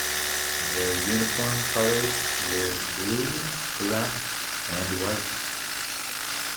Their uniform colors were blue, black and white.